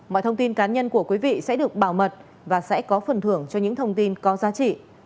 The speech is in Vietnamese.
mọi thông tin cá nhân của quý vị sẽ được bảo mật và sẽ có phần thưởng cho những thông tin có giá trị